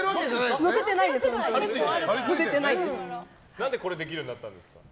何で、これできるようになったんですか？